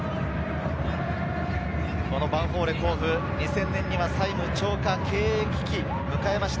ヴァンフォーレ甲府、２０００年には債務超過、経営危機を迎えました。